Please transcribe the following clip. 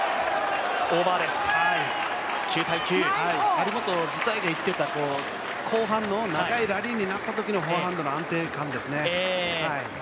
張本自体が言っていた、後半の長いラリーになったときのフォアハンドの安定感ですね。